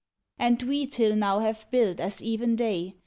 And we till now have built as even they